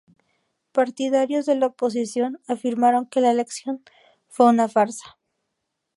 Partidarios de la oposición afirmaron que la elección fue una farsa.